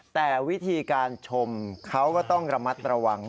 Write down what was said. แต่วิธีการชมเขาก็ต้องระมัดระวัง